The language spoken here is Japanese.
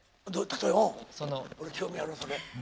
おう俺興味あるそれ。